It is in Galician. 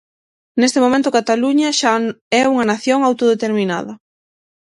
Neste momento Cataluña xa é unha nación autodeterminada.